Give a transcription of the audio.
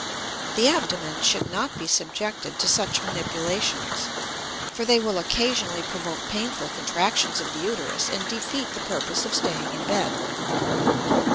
The abdomen should not be subjected to such manipulations, for they will occasionally provoke painful contractions of the uterus and defeat the purpose of staying in bed.